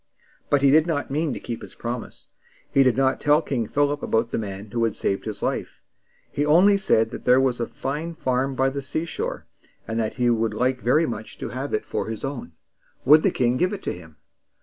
But he did not mean to keep his promise. He did not tell King Philip about the man who had saved his life. He only said that there was a fine farm by the seashore, and that he would like very much to have it for his own. Would the king give it to him?